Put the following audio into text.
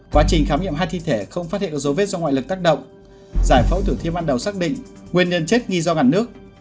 quá trình khám nghiệm hai thi thể không phát hiện dấu vết do ngoại lực tác động giải phẫu thử thiên ban đầu xác định nguyên nhân chết nghi do mặt nước